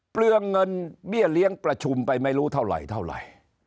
เปลืองเงินเบี้ยเลี้ยงประชุมไปไม่รู้เท่าไหร่เท่าไหร่